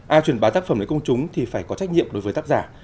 à truyền báo tác phẩm đến công chúng thì phải có trách nhiệm đối với tác giả